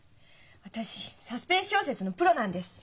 私サスペンス小説のプロなんです。